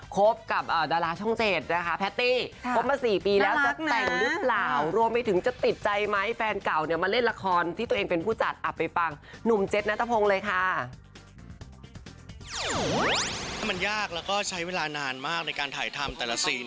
คบกับดาราช่องเจส